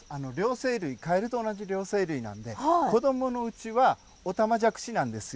カエルと同じ両生類なので子どものうちはオタマジャクシなんです。